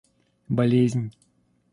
болезнь